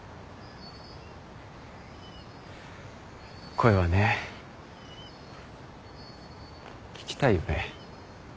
声はね聞きたいよね。